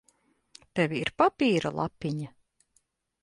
Tev ir papīra lapiņa?